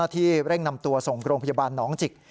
เร่งนำตัวส่งโรงพยาบาลหนองจิก